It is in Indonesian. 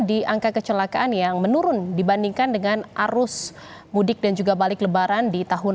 di angka kecelakaan yang menurun dibandingkan dengan arus mudik dan juga balik lebaran di tahun